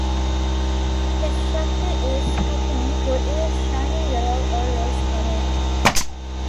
His shakti is Kakini, who is shining yellow or rose-coloured.